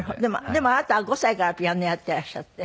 でもあなたは５歳からピアノやってらっしゃって。